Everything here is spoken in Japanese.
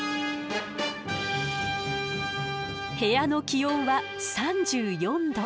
部屋の気温は３４度。